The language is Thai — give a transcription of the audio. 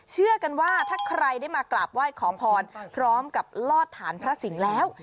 เชื่อกันว่าถ้าใครได้มากราบไหว้ขอพรพร้อมกับลอดฐานพระสิงห์แล้ว